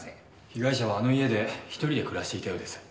被害者はあの家で１人で暮らしていたようです。